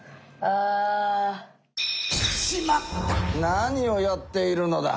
何をやっているのだ。